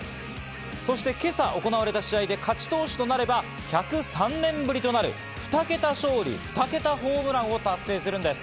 そして今朝行われた試合で勝ち投手となれば１０３年ぶりとなる２桁勝利、２桁ホームランを達成するんです。